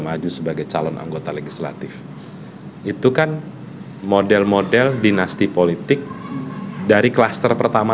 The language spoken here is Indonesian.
maju sebagai calon anggota legislatif itu kan model model dinasti politik dari klaster pertama